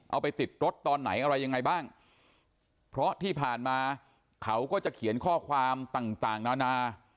เอาไปติดรถตอนไหนอะไรยังไงบ้างเพราะที่ผ่านมาเขาก็จะเขียนข้อความต่างต่างนานา